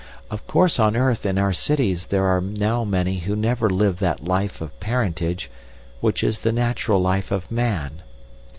Of course on earth in our cities there are now many who never live that life of parentage which is the natural life of man.